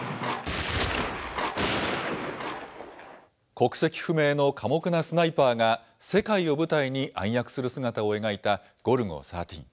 国籍不明の寡黙なスナイパーが、世界を舞台に暗躍する姿を描いたゴルゴ１３。